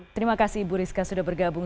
terima kasih ibu rizka sudah bergabung